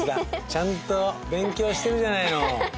ちゃんと勉強してるじゃないの。